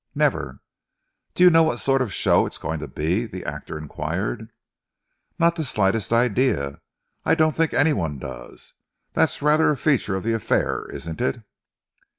"Never." "Do you know what sort of a show it's going to be?" the actor enquired. "Not the slightest idea. I don't think any one does. That's rather a feature of the affair, isn't it?"